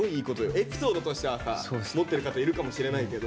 エピソードとしてはさ持ってる方いるかもしれないけど。